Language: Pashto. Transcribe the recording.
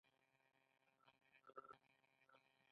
نو د وينې شوګر يو دم زياتېدو له نۀ ورکوي -